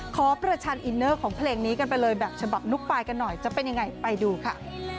ขอประชันอินเนอร์ของเพลงนี้กันไปเลยแบบฉบับนุ๊กปลายกันหน่อยจะเป็นยังไงไปดูค่ะ